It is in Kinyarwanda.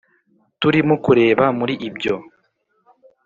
turimo kureba muri ibyo